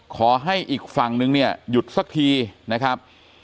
ขอให้อีกฝั่งนึงเนี่ยหยุดสักทีนะครับ